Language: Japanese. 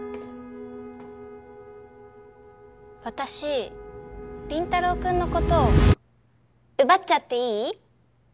私林太郎君のこと奪っちゃっていい？